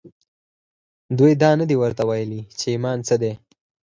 دوی دا ورته نه دي ویلي چې ایمان څه دی